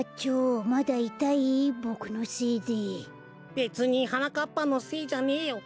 べつにはなかっぱのせいじゃねえよ。